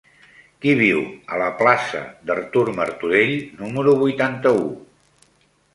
Qui viu a la plaça d'Artur Martorell número vuitanta-u?